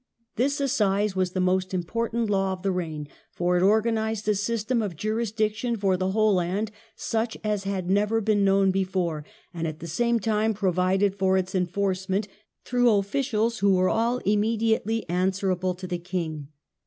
This Assize was the most important law of the reign, for it organized a system of jurisdiction for the whole land such as had never been known before, and at the same time provided for its enforcement through officials who were all immediately answerable to the king.